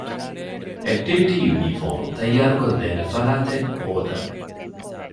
އެކްޓިވިޓީ ޔުނީފޯމު ތައްޔާރުކޮށްދޭނެ ފަރާތެއް ހޯދަން